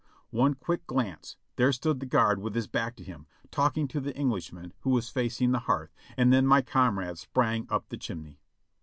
One quick glance ; there stood the guard with his back to him, talking to the Englishman, who was facing the hearth, and then my comrade sprang up the chimney.